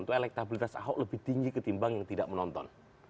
untuk elektabilitas ahok lebih tinggi ketimbang yang tidak menonton